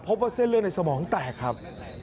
พบว่าเส้นเลือดในสมองแตกครับ